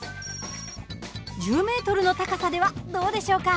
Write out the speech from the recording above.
１０ｍの高さではどうでしょうか？